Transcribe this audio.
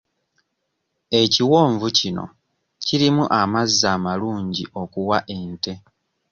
Ekiwonvu kino kirimu amazzi amalungi okuwa ente.